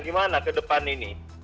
gimana ke depan ini